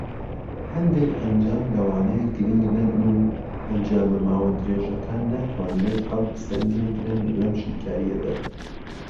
هەندێک ئەنجام لەوانەیە گرینگ نەبن، و ئەنجامە ماوە درێژەکان ناتوانرێت هەڵبسەنگێندرێن لەم شیکاریەدا.